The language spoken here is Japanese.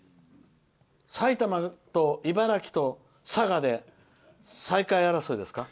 埼玉と茨城と佐賀で最下位争いですか。